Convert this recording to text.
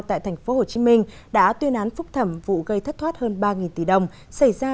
tại tp hcm đã tuyên án phúc thẩm vụ gây thất thoát hơn ba tỷ đồng xảy ra